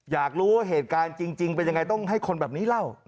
อยากรู้ว่าเหตุการณ์จริงเป็นยังไงต้องให้คนแบบนี้เล่า